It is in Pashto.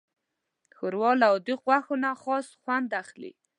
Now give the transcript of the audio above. ښوروا له عادي غوښو نه خاص خوند اخلي.